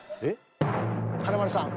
華丸さん。